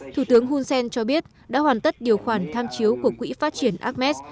thủ tướng hunsen cho biết đã hoàn tất điều khoản tham chiếu của quỹ phát triển ames